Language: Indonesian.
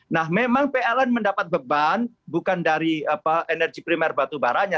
nah memang pln mendapat beban bukan dari energi primer batubaranya